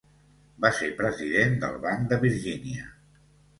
Va ser president del Banc de Virgínia.